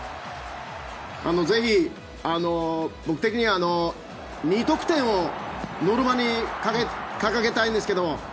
ぜひ、僕的には２得点をノルマに掲げたいんですけど。